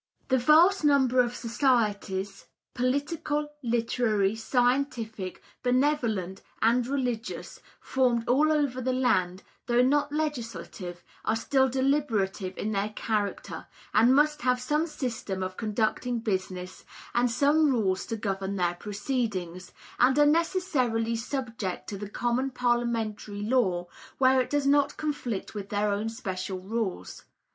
The vast number of societies, political, literary, scientific, benevolent and religious, formed all over the land, though not legislative, are still deliberative in their character, and must have some system of conducting business, and some rules to govern their proceedings, and are necessarily subject to the common parliamentary law where it does not conflict with their own special rules.